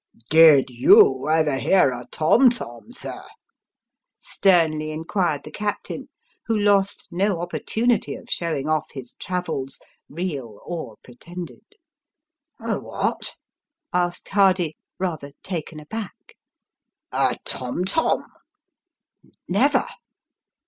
" Did you ever hear a tom tom, sir ?" sternly inquired the captain, who lost no opportunity of showing off his travels, real or pretended. " A what ?" asked Hardy, rather taken aback. " A tom tom." " Never